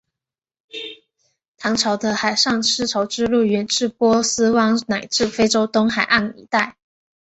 唐朝的海上丝绸之路远至波斯湾乃至非洲东海岸一带。